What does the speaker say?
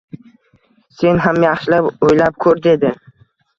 Sen ham yaxshilab o`ylab ko`r, dedi